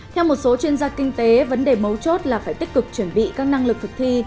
theo một số chuyên gia kinh tế vấn đề mấu chốt là phải tích cực chuẩn bị các năng lực thực thi